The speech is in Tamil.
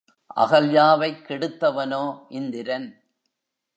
அகல்யாவைக் கெடுத்தவனோ இந்திரன்!